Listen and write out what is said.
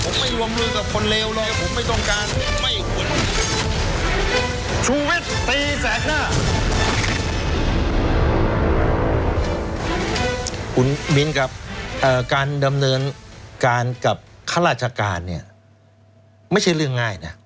คุณมิ้นครับการดำเนินการกับข้าราชการเนี่ยไม่ใช่เรื่องง่ายนะ